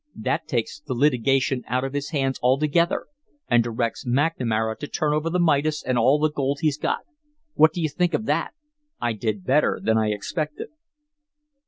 That takes the litigation out of his hands altogether, and directs McNamara to turn over the Midas and all the gold he's got. What do you think of that? I did better than I expected."